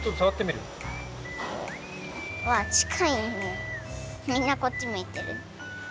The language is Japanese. みんなこっちむいてる。